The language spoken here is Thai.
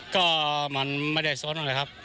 ก็มันไม่ได้ซ้อนอะไรครับ